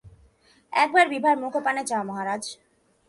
একবার বিভার মুখপানে চাও মহারাজ!